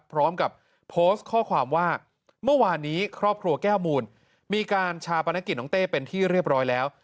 พร้อมกับโพสต์ข้อความว่าเมื่อวานนี้ครอบครัวแก้วมูลมีการชาปนกิจน้องเต้เป็นที่เรียบร้อยแล้ว